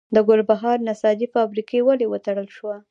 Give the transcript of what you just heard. د ګلبهار نساجي فابریکه ولې وتړل شوه؟